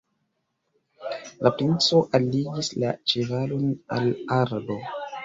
La princo alligis la ĉevalon al arbo.